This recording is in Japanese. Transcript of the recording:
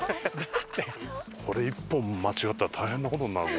これ１本間違ったら大変な事になる。